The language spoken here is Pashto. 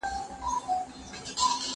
زه به کښېناستل کړي وي!!